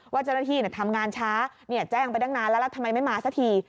ว่าเจ้าหน้าที่ทำงานช้าแจ้งไปตั้งนานแล้วแล้วทำไมไม่มาสักที